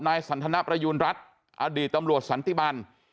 สันทนประยูณรัฐอดีตตำรวจสันติบัน